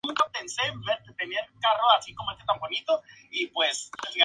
En un solo día, eran cientos las solicitudes, desde muchos países.